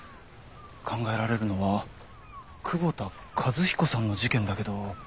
考えられるのは窪田一彦さんの事件だけど。